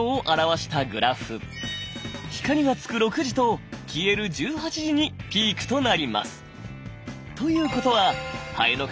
光がつく６時と消える１８時にピークとなります。